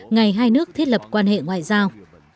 ngày hai nước thiết lập quan hệ ngoại giao